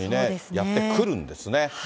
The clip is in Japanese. やって来るんですね。